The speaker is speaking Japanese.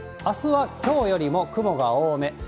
あすはきょうよりも雲が多め。